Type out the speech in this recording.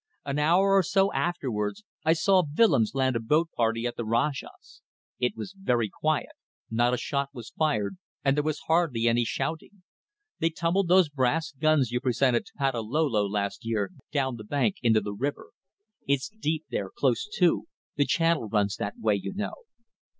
An hour or so afterwards I saw Willems land a boat party at the Rajah's. It was very quiet. Not a shot was fired, and there was hardly any shouting. They tumbled those brass guns you presented to Patalolo last year down the bank into the river. It's deep there close to. The channel runs that way, you know.